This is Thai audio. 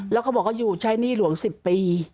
แล้วเขาบอกว่าอยู่ใช้หนี้หลวง๑๐ปี